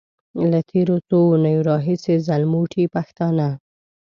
له تېرو څو اونيو راهيسې ځلموټي پښتانه.